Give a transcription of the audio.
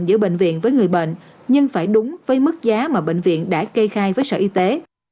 giữa bệnh viện với người bệnh nhưng phải đúng với mức giá mà bệnh viện đã kê khai với sở y tế